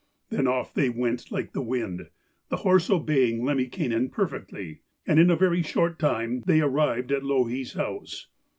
Then off they went like the wind, the horse obeying Lemminkainen perfectly, and in a very short time they arrived at Louhi's house.